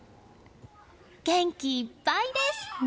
元気いっぱいです！